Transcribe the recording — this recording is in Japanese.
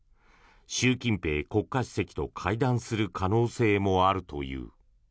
習近平国家主席と会談する可能性もあるという。